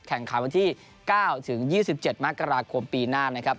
แข่งขันวันที่๙ถึง๒๗มกราคมปีหน้านะครับ